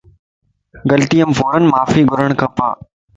غلطيءَ مَ فوران معافي گڙ کپ